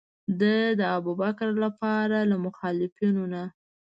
ده د ابوبکر لپاره له مخالفینو نه.